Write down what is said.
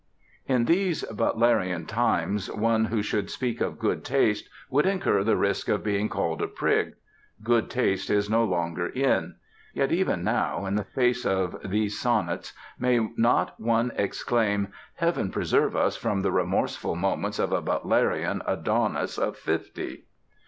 In these Butlerian times one who should speak of "good taste" would incur the risk of being called a prig. Good taste is no longer "in." Yet even now, in the face of these sonnets, may not one exclaim, Heaven preserve us from the remorseful moments of a Butlerian Adonis of fifty!